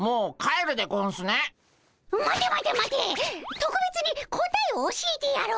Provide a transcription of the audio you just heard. とくべつに答えを教えてやろう。